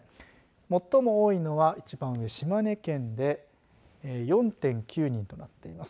最も多いのは一番上、島根県で４．９人となっています。